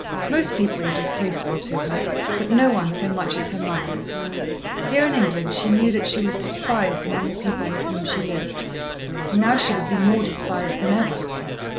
Most people were distasteful to her, but no one so much as her mother. Here in England she knew that she was despised among the people with whom she lived. And now she would be more despised than ever.